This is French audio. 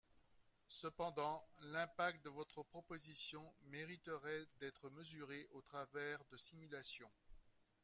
Cependant l’impact de votre proposition mériterait d’être mesuré au travers de simulations.